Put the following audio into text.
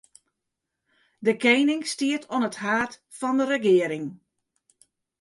De kening stiet oan it haad fan 'e regearing.